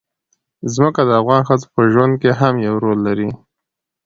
ځمکه د افغان ښځو په ژوند کې هم یو رول لري.